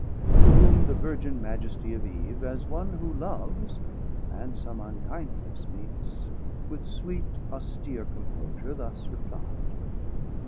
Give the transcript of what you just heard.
To whom the Virgin Majestie of Eve, 270 As one who loves, and some unkindness meets, With sweet austeer composure thus reply'd.